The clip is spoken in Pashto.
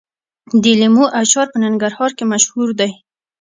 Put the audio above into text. د لیمو اچار په ننګرهار کې مشهور دی.